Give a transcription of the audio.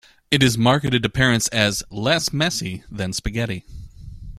It is marketed to parents as "less messy" than spaghetti.